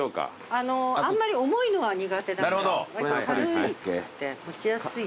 あんまり重いのは苦手だから。